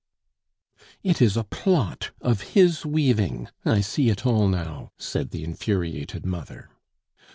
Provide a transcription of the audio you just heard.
"It is a plot of his weaving; I see it all now," said the infuriated mother.